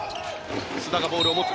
須田がボールを持つ。